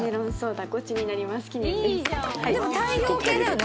でも太陽系だよね